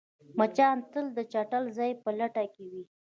مچان تل د چټل ځای په لټه کې وي